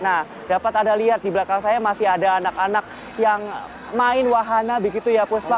nah dapat anda lihat di belakang saya masih ada anak anak yang main wahana begitu ya puspa